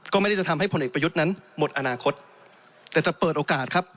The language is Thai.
ก็ไม่ได้จะทำให้ผลเอกประยุทธ์นั้นหมดอนาคตแต่จะเปิดโอกาสครับ